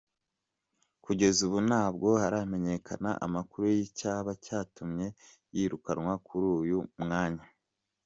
Kugeza ubu ntabwo haramenyekana amakuru y’ icyaba cyatumye yirukanwa kuri uyu mwanya.